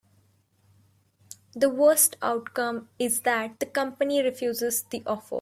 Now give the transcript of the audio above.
The worst outcome is that the company refuses the offer.